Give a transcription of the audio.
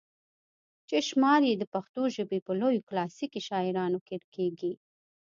چې شمار ئې د پښتو ژبې پۀ لويو کلاسيکي شاعرانو کښې کيږي